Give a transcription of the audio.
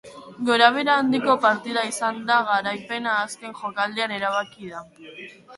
Gorabehera handiko partida izan da eta garaipena azken jokaldian erabaki da.